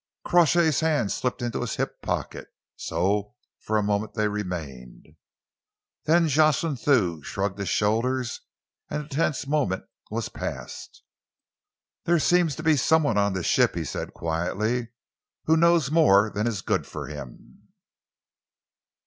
Crawshay's hand slipped to his hip pocket. So for a moment they remained. Then Jocelyn Thew shrugged his shoulders, and the tense moment was past. "There seems to be some one on this ship," he said quietly, "who knows more than is good for him."